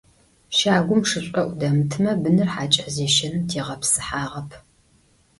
Щагум шышӏоӏу дэмытмэ, быныр хьакӏэ зещэным тегъэпсыхьагъэп.